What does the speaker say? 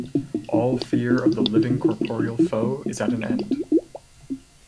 All fear of the living corporeal foe is at an end.